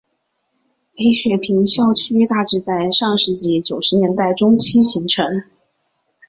北雪平校区大致在上世纪九十年代中期形成。